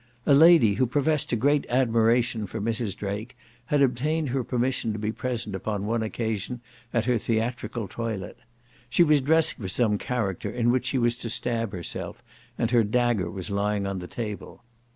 A lady who professed a great admiration for Mrs. Drake had obtained her permission to be present upon one occasion at her theatrical toilet. She was dressing for some character in which she was to stab herself, and her dagger was lying on the table.